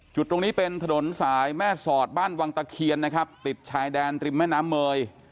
จุดตรงนี้เป็นถนนสายแม่สอดบ้านวังตะเคียนนะครับติดชายแดนริมแม่น้ำเมย